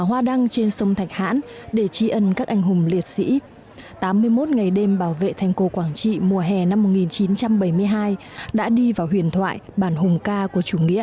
hội chiến sĩ thành cổ quảng trị